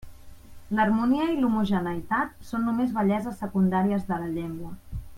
L'harmonia i l'homogeneïtat són només belleses secundàries de la llengua.